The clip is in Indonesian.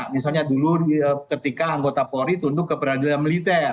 misalnya dulu ketika anggota polri tunduk ke peradilan militer